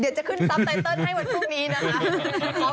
เดี๋ยวจะขึ้นทรัพย์ไตเติลให้วันพรุ่งนี้นะคะ